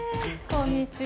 こんにちは。